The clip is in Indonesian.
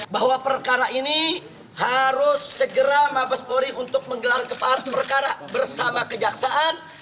bahwa perkara ini harus segera mabes polri untuk menggelar perkara bersama kejaksaan